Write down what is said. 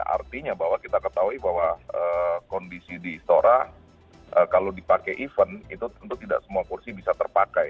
artinya bahwa kita ketahui bahwa kondisi di istora kalau dipakai event itu tentu tidak semua kursi bisa terpakai